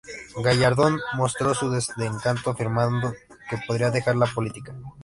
Gallardón mostró su desencanto afirmando que podría dejar la política.